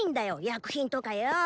薬品とかよ。